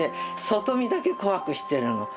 外見だけ怖くしてるの。